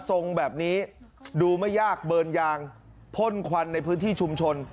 ทรงแบบนี้ดูไม่ยากเบิร์นยางพ่นควันในพื้นที่ชุมชน